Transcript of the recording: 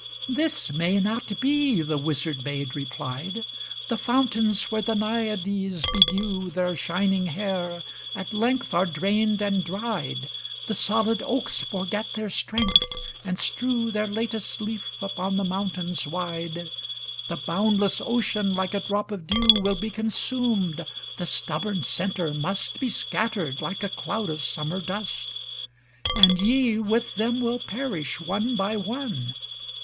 ŌĆó XXIII ' This may not be,' the Wizard Maid re plied; ' The fountains where the Naiades bedew Their shining hair, at length are drained and dried; The solid oaks forget their strength, and strew Their latest leaf upon the mountains wide ; The boundless ocean, like a drop of dew, Will be consumed ŌĆö the stubborn centre must Be scattered, like a cloud of summer dust; XXIV * And ye with them will perish one by one.